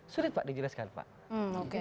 sudah pak dijelaskan pak